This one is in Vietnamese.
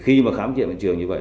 khi mà khám triện bàn trường như vậy